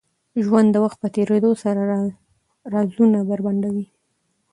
ژوند د وخت په تېرېدو سره رازونه بربنډوي.